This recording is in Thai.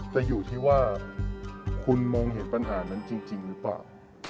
แต่อยู่ที่ว่าคุณมองเห็นปัญหานั้นจริงหรือเปล่า